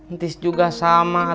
ntis juga sama tuh pak